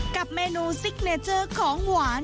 กับเมนูซิกเนเจอร์ของหวาน